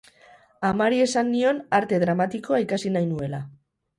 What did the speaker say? Amari esan nion Arte Dramatikoa ikasi nahi nuela.